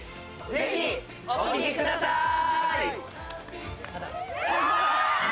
ぜひお聴きください！